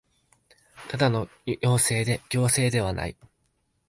ただの要請で強制ではない